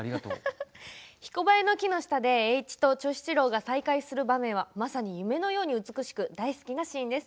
ひこばえの木の下で栄一と長七郎が再会する場面は夢のように美しく大好きなシーンです。